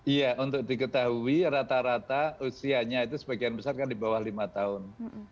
iya untuk diketahui rata rata usianya itu sebagian besar kan di bawah lima tahun